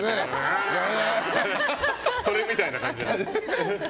それみたいな感じじゃん。